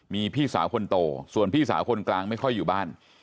มีพี่สาวคนโตส่วนพี่สาวคนกลางไม่ค่อยอยู่บ้าน